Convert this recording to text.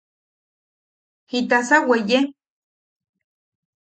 ¿Jitasa weye?